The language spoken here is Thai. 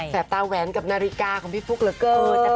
ตาแหวนกับนาฬิกาของพี่ฟุ๊กเหลือเกิน